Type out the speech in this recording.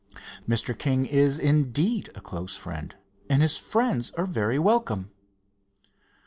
"Mr. King is, indeed, a close friend, and his friends are very welcome."